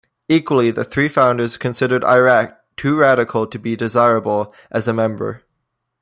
Equally the three founders considered Iraq too radical to be desirable as a member.